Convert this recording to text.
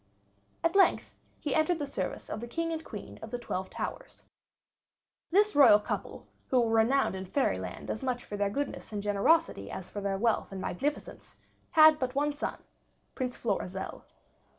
At length he entered the service of the King and Queen of the Twelve Towers. This royal couple, who were renowned in Fairyland as much for their goodness and generosity as for their wealth and magnificence, had but one son, Prince Florizel.